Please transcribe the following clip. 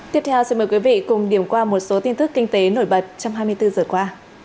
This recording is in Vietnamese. tiếp theo xin mời quý vị cùng điểm qua một số tin tức kinh tế nổi bật trong hai mươi bốn giờ qua